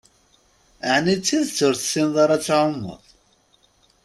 Ɛni d tidett ur tessineḍ ara ad tɛumeḍ?